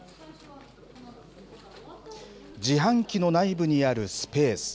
自販機の内部にあるスペース。